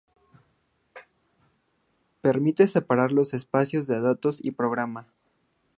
Permite separar los espacios de datos y programa.